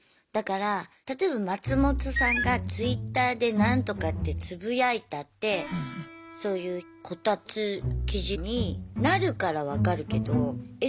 だから例えば松本さんがツイッターで何とかってつぶやいたってそういうこたつ記事になるから分かるけど。